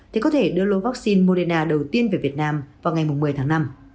thì có thể đưa lô vaccine moderna đầu tiên về việt nam vào ngày một mươi tháng năm